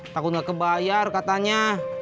takut gak kebayar katanya